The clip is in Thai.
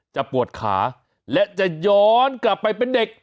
ปวดขาและจะย้อนกลับไปเป็นเด็ก